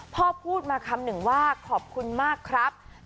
พ่อพูดมาคำหนึ่งว่าขอบคุณมากครับ